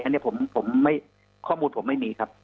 อันนี้ผมข้อมูลผมไม่มีครับ